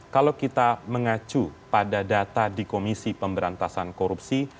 kalau kita mengacu pada data di komisi pemberantasan korupsi